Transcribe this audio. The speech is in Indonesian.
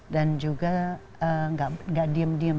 dan juga gak diem diem